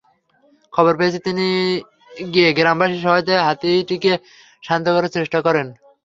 খবর পেয়ে তিনি গিয়ে গ্রামবাসীর সহায়তায় হাতিটিকে শান্ত করার চেষ্টা করেন।